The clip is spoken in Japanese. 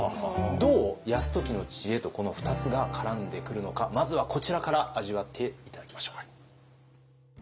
どう泰時の知恵とこの２つが絡んでくるのかまずはこちらから味わって頂きましょう。